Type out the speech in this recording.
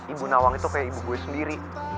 ibu nawang itu kayak ibu gue sendiri